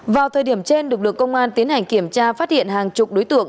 vào thời điểm trên lực lượng công an tiến hành kiểm tra phát hiện hàng chục đối tượng